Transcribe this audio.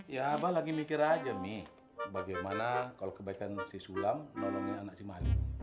ya abah lagi mikir aja mi bagaimana kalau kebaikan si sulam nolongin anak si mali